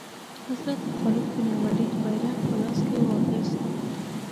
حضرت خالد بن ولید بیرغ په لاس کې واخیست.